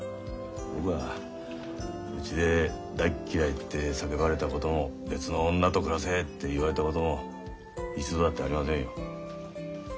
僕はうちで「大っ嫌い」って叫ばれたことも「別の女と暮らせ」って言われたことも一度だってありませんよ。